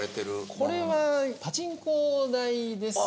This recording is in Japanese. これはパチンコ台ですね。